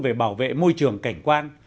về bảo vệ môi trường cảnh quan